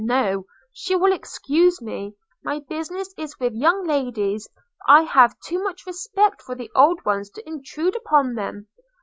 No; she will excuse me – my business is with young ladies; I have too much respect for the old ones to intrude upon them.